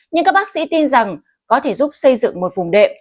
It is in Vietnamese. nhưng các bác sĩ tin rằng có thể giúp xây dựng một vùng đệm